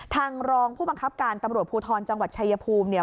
รองผู้บังคับการตำรวจภูทรจังหวัดชายภูมิเนี่ย